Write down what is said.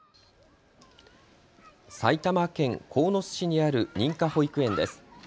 埼玉県鴻巣市にある認可保育園です。